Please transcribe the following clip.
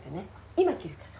今切るから。